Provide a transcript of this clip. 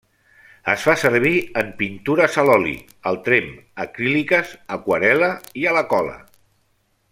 Es fa servir en pintures a l'oli, al tremp, acríliques, aquarel·la i a la cola.